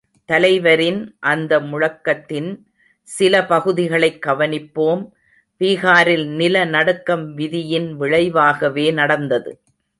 தலைவரின் அந்த முழக்கத்தின் சில பகுதிகளைக் கவனிப்போம் பீகாரில் நிலநடுக்கம் விதியின் விளைவாகவே நடந்தது.